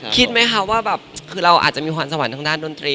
คิดไหมคะว่าเราอาจจะมีความสะวันทั้งด้านดนตรี